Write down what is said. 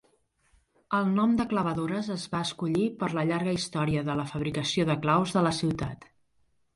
El nom de "clavadores" es va escollir per la llarga història de la fabricació de claus de la ciutat.